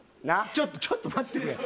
ちょっとちょっと待ってくれ。